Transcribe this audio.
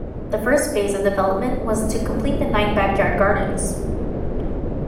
The first phase of development was to complete the nine Backyard Gardens.